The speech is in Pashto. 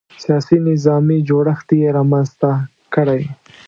سیاسي نظامي جوړښت یې رامنځته کړی.